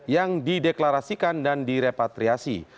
yang dideklarasikan dan direpatriasi